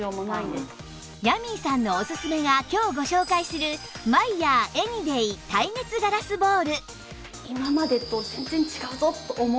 ヤミーさんのオススメが今日ご紹介するマイヤーエニデイ耐熱ガラスボウル